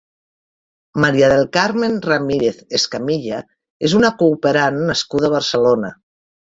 María del Carmen Ramírez Escamilla és una cooperant nascuda a Barcelona.